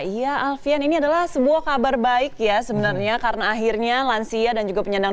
ya alfian ini adalah sebuah kabar baik ya sebenarnya karena akhirnya lansia dan juga penyandang